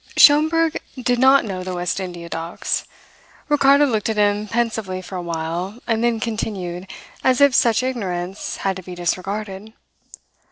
Schomberg did not know the West India Docks. Ricardo looked at him pensively for a while, and then continued, as if such ignorance had to be disregarded.